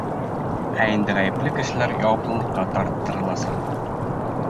Ә инде ғәйепле кешеләр яуаплылыҡҡа тарттырыласаҡ.